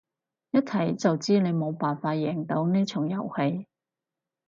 一睇就知你冇辦法贏到呢場遊戲